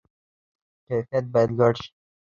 کیفیت باید لوړ شي